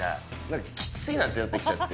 なんかきついなってなってきちゃって。